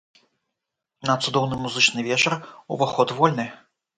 На цудоўны музычны вечар уваход вольны!